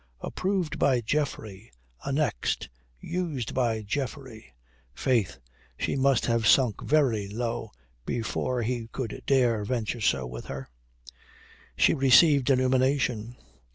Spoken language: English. Approved by Geoffrey, annexed, used by Geoffrey faith, she must have sunk very low before he could dare venture so with her. She received illumination.